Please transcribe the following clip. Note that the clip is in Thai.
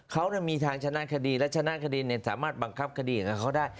เขามีทางชนะคดีและชนะคดีสามารถบังคับคดีกับเขาได้